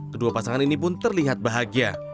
kedua pasangan ini pun terlihat bahagia